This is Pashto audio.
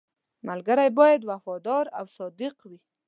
• ملګری باید وفادار او صادق وي.